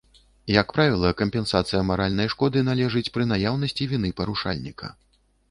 Як правіла, кампенсацыя маральнай шкоды належыць пры наяўнасці віны парушальніка.